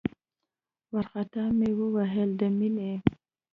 وارخطا مې وويل د مينې.